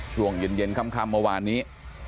ช่วงเย็นค่ำเมื่อวานนี้